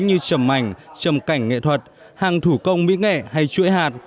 như chầm ảnh chầm cảnh nghệ thuật hàng thủ công mỹ nghệ hay chuỗi hạt